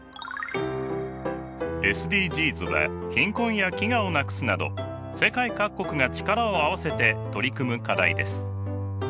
ＳＤＧｓは貧困や飢餓をなくすなど世界各国が力を合わせて取り組む課題です。